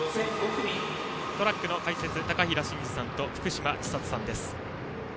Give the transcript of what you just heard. トラックの解説は高平慎士さんと福島千里さんです。